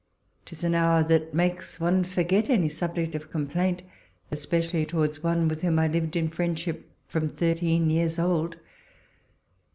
'Tis an hour that makes one forget any subject of com plaint, especially towards one with whom I liv'ed in friendship from thirteen years old.